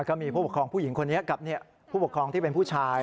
ก็มีผู้ปกครองผู้หญิงคนนี้กับผู้ปกครองที่เป็นผู้ชาย